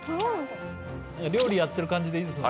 料理やってる感じでいいですね。